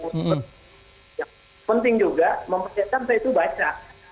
yang penting juga memperlihatkan saya itu baca